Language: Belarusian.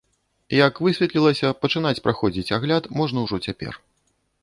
Як высветлілася, пачынаць праходзіць агляд можна ўжо цяпер.